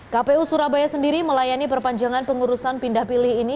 kpu surabaya sendiri melayani perpanjangan pengurusan pindah pilih ini